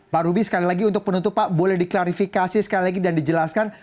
pak ruby sekali lagi untuk penutup pak boleh diklarifikasi sekali lagi dan dijelaskan